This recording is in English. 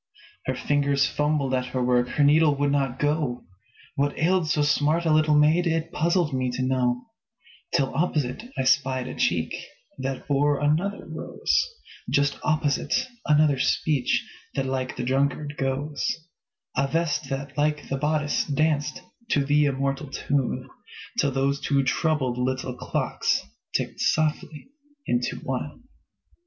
Her fingers fumbled at her work, Her needle would not go; What ailed so smart a little maid It puzzled me to know, Till opposite I spied a cheek That bore another rose; Just opposite, another speech That like the drunkard goes; A vest that, like the bodice, danced To the immortal tune, Till those two troubled little clocks Ticked softly into one.